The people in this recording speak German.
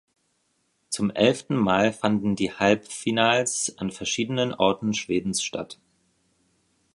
Zum elften Mal fanden die Halbfinals an verschiedenen Orten Schwedens statt.